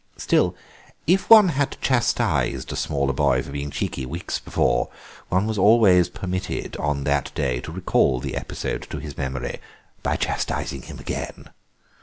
Still, if one had chastised a smaller boy for being cheeky weeks before, one was always permitted on that day to recall the episode to his memory by chastising him again.